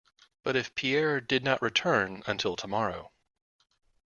But if Pierre did not return, until tomorrow.